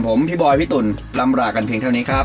ผมพี่บอยพี่ตุ๋นลำรากันเพียงเท่านี้ครับ